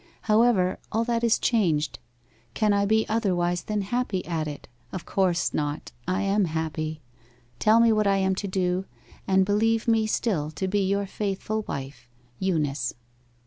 However, all that is changed can I be otherwise than happy at it? Of course not. I am happy. Tell me what I am to do, and believe me still to be your faithful wife, EUNICE.